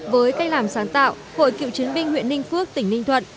với cách làm sáng tạo hội cựu chiến binh huyện ninh phước tỉnh ninh thuận